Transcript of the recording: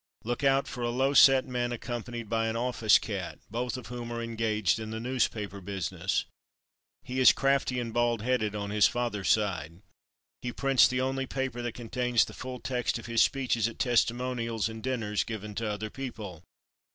"Look out for a low set man accompanied by an office cat, both of whom are engaged in the newspaper business. He is crafty and bald headed on his father's side. He prints the only paper that contains the full text of his speeches at testimonials and dinners given to other people.